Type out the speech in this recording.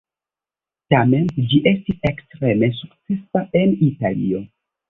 Tamen, ĝi estis ekstreme sukcesa en Italio.